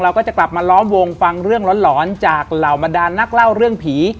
ก็จะกลับมาล้อมวงฟังเรื่องหลอนจากเหล่าบรรดานนักเล่าเรื่องผี